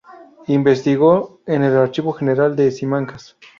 Investigó en el Archivo General de Simancas.